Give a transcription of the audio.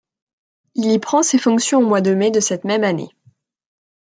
Il y prend ses fonctions au mois de mai de cette même année.